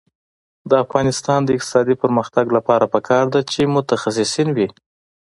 د افغانستان د اقتصادي پرمختګ لپاره پکار ده چې متخصصین وي.